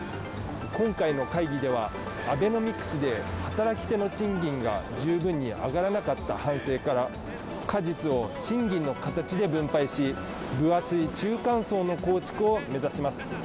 今回の会議では、アベノミクスで働き手の賃金が十分に上がらなかった反省から果実を賃金の形で分配し、分厚い中間層の構築を目指します。